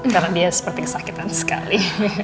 karena dia seperti kesakitan sekali